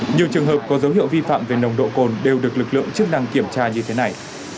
nhiều trường hợp có dấu hiệu vi phạm về nồng độ cồn đều được lực lượng chức năng kiểm tra như thế này